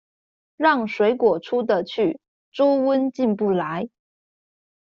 讓水果出得去，豬瘟進不來